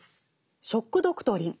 「ショック・ドクトリン」。